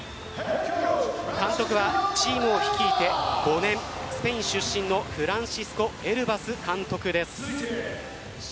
監督は、チームを率いて５年スペイン出身のフランシスコ・エルバス監督です。